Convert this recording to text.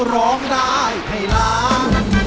ร้องได้ให้ล้าน